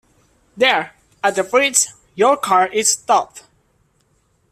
There — at the bridge — your car is stopped.